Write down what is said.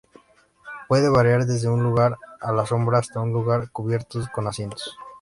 Puede variar desde un lugar a la sombra hasta un lugar cubierto con asientos.